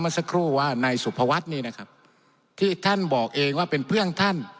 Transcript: สักครู่ว่านายสุภวัฒน์นี่นะครับที่ท่านบอกเองว่าเป็นเพื่อนท่าน